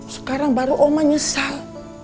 sekarang baru oma nyesel